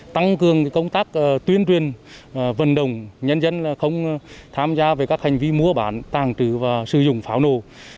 tăng cường công tác tuyên truyền vận động nhân dân không tham gia về các hành vi mua bán tàng trữ và sử dụng pháo nổ